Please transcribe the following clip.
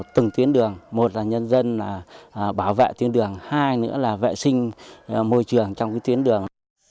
từng tuyến đường một là nhân dân bảo vệ tuyến đường hai nữa là vệ sinh môi trường trong tuyến đường